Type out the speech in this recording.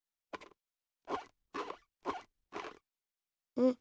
うん？